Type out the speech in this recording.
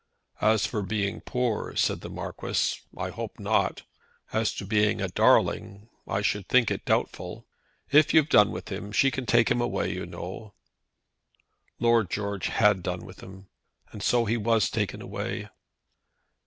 "As for being poor," said the Marquis, "I hope not. As to being a darling, I should think it doubtful. If you've done with him, she can take him away, you know." Lord George had done with him, and so he was taken away.